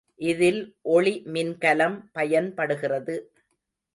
இதில் ஒளி மின்கலம் பயன்படுகிறது.